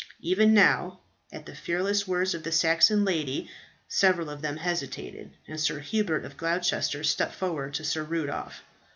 Even now, at the fearless words of the Saxon lady several of them hesitated, and Sir Hubert of Gloucester stepped forward to Sir Rudolph.